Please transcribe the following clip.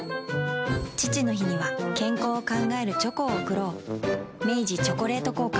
父の日には健康を考えるチョコを贈ろう明治「チョコレート効果」